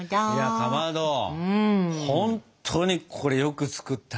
かまどほんとにこれよく作ったね。